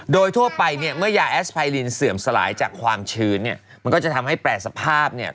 โดยทั่วไปเนี่ยเมื่อยาแอสไพรินเสื่อมสลายจากความชื้นเนี่ยมันก็จะทำให้แปรสภาพเนี่ย